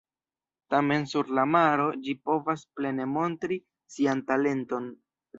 Tamen sur la maro ĝi povas plene montri sian talenton.